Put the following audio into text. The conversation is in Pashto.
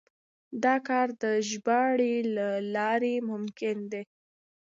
دا کار د ژباړې له لارې ممکن دی.